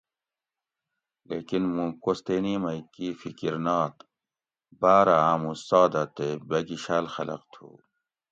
لیکن مُوں کوستینی مئی کی فکر نات بارہ ہامو سادہ تے بگیشاۤل خلق تھو